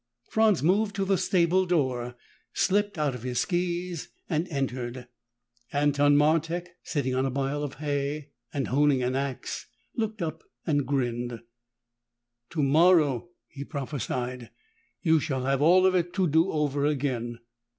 Franz moved to the stable door, slipped out of his skis and entered. Anton Martek, sitting on a pile of hay and honing an ax, looked up and grinned. "Tomorrow," he prophesied, "you shall have all of it to do over again."